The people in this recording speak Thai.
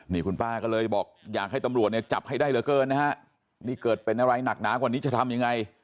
นี่คุณป้าก็เลยบอกอยากให้ตำรวจเนี่ยจับให้ได้เหลือเกินนะฮะนี่เกิดเป็นอะไรหนักหนากว่านี้จะทำยังไง